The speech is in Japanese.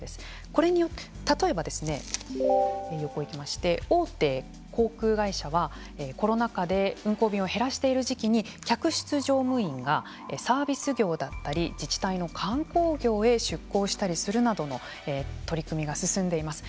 これによって例えば大手航空会社はコロナ禍で運航便を減らしている時期に客室乗務員がサービス業だったり自治体の観光業へ出向したりするなどの取り組みが進んでいます。